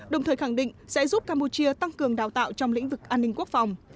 đồng thời khẳng định sẽ giúp campuchia tăng cường đào tạo trong lĩnh vực an ninh quốc phòng